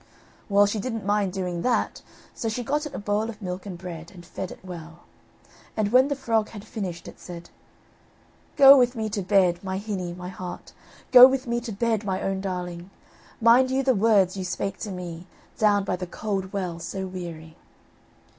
Well, she didn't mind doing that, so she got it a bowl of milk and bread, and fed it well. And when the frog, had finished, it said: "Go with me to bed, my hinny, my heart, Go with me to bed, my own darling; Mind you the words you spake to me, Down by the cold well, so weary."